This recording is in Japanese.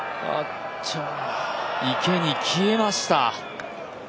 池に消えました。